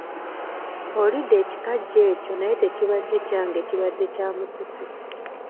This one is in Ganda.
Olidde ekikajjo ekyo naye tekibadde kyange kibadde kya Musisi.